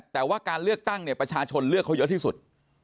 แต่ว่าการเลือกตั้งเนี่ยประชาชนเลือกเขาเยอะที่สุด